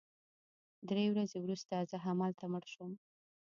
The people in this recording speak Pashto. درې ورځې وروسته زه همالته مړ شوم